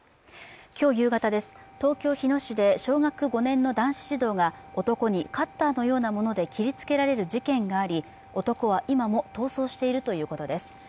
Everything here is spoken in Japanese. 今日夕方、東京・日野市で小学５年の男子児童が男にカッターのようなもので切りつけられる事件があり男は今も逃走しているということです。